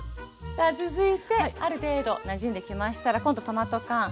続いてある程度なじんできましたら今度トマト缶。